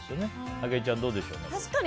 あきえちゃん、どうでしょうか。